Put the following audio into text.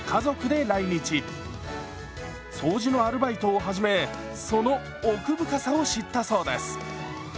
掃除のアルバイトを始めその奥深さを知ったそうです。